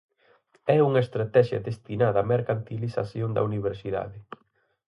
"É unha estratexia destinada á mercantilización da universidade".